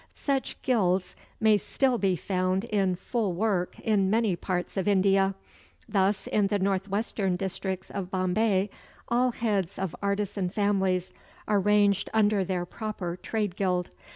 Such guilds may still be found in full work in many parts of India, Thus, in the northwestern districts of Bombay all heads of artisan families are ranged under their proper trade guild.